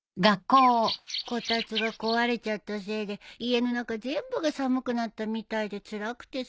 こたつが壊れちゃったせいで家の中全部が寒くなったみたいでつらくてさ。